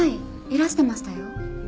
いらしてましたよ。